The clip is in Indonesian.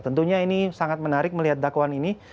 tentunya ini sangat menarik melihat dakwaan ini